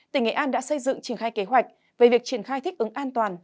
tỉnh nghệ an đã xây dựng triển khai kế hoạch về việc triển khai thích ứng an toàn